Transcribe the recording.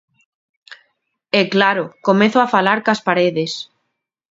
E, claro, comezo a falar cas paredes.